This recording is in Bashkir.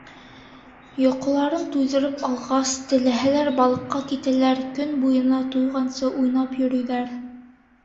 Йоҡоларын туйҙырып алғас, теләһәләр балыҡҡа китәләр, көн буйына туйғансы уйнап йөрөйҙәр.